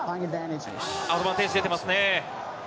アドバンテージ出てますね。